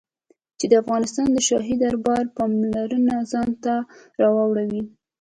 چې د افغانستان د شاهي دربار پاملرنه ځان ته را واړوي.